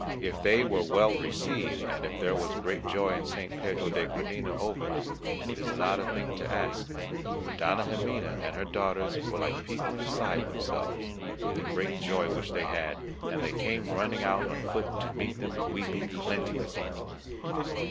If they were well received, and if there was great joy in St. Pedro de Cardena over them, it is not a thing to ask, for Dona Ximena and her daughters were like people beside themselves with the great joy which they had, and they came running out on foot to meet them, weeping plenteously.